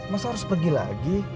masa harus pergi lagi